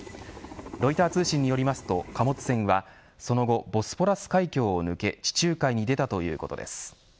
ロイター通信によりますと貨物船はその後ボスポラス海峡を抜け地中海に出たということです。